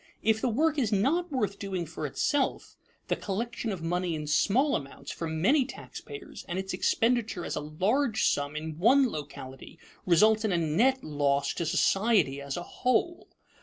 If the work is not worth doing for itself, the collection of money in small amounts from many taxpayers and its expenditure as a large sum in one locality results in a net loss to society as a whole.